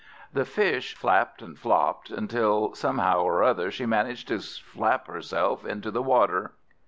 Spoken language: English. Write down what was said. The Fish flapped and flopped, until somehow or other she managed to flap herself into the river.